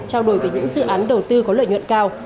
trao đổi về những dự án đầu tư có lợi nhuận cao